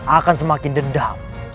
akan semakin dendam